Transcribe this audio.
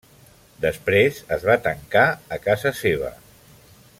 Després es va tancar a casa seva.